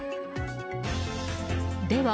では